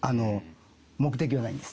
目的はないんです。